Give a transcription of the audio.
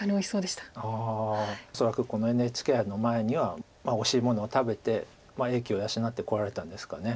恐らくこのＮＨＫ杯の前にはおいしいものを食べて英気を養ってこられたんですかね。